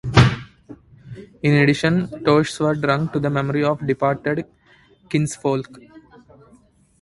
In addition, toasts were drunk to the memory of departed kinsfolk.